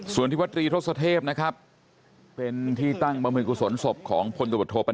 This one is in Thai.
ส่วนที่วัตรีทรศเทพนะครับเป็นที่ตั้งบำมือกุศลสมพของพลโดรสเทพ